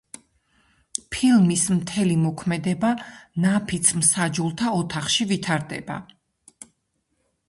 ფილმის მთელი მოქმედება ნაფიც მსაჯულთა ოთახში ვითარდება.